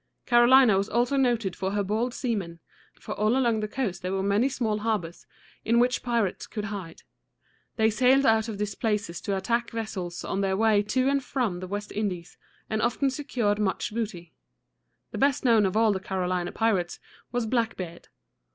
Carolina was also noted for her bold seamen, for all along the coast there were many small harbors, in which pirates could hide. They sailed out of these places to attack vessels on their way to and from the West Indies, and often secured much booty. The best known of all the Carolina pirates was Blackbeard.